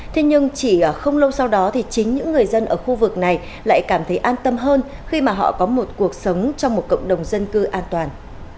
thế nhưng chỉ không lâu sau đó thì chính những người dân ở khu vực này lại cảm thấy an tâm hơn khi mà họ có một cuộc sống trong một cộng đồng dân cư an toàn